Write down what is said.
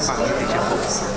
vào thị trường úc